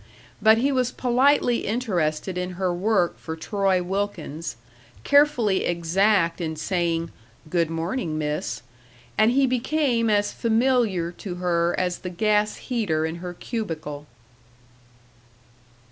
But he was politely interested in her work for Troy Wilkins, carefully exact in saying, "Good morning, miss," and he became as familiar to her as the gas heater in her cubicle.